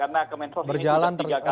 karena kementerian sosial ini sudah tiga kali